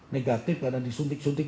negatif karena disuntik suntik